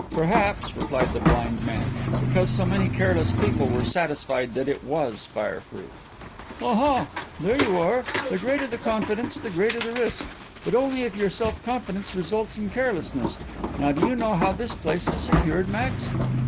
"Perhaps," replied the blind man, "because so many careless people were satisfied that it was fireproof." "Ah ha, there you are the greater the confidence the greater the risk. But only if your self confidence results in carelessness. Now do you know how this place is secured, Max?"